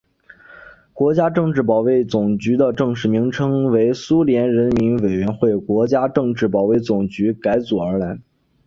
国家政治保卫总局的正式名称为苏联人民委员会国家政治保卫总局改组而来。